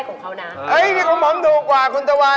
ต้องฝากในข้อแรกของเขานะเอ๊ยของผมถูกกว่าคุณตะวัน